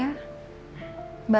banding juga kelihatannya risih